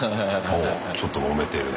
おおちょっともめてるね。